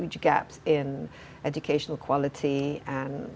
dengan banyak kegagalan dalam kualitas pendidikan